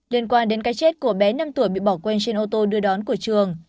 liên quan đến cái chết của bé năm tuổi bị bỏ quên trên ô tô đưa đón của trường